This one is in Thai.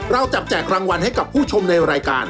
เราจับแจกรางวัลให้กับผู้ชมในรายการ